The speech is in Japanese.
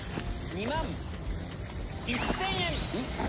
２万１０００円。